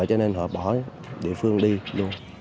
cho nên họ bỏ địa phương đi luôn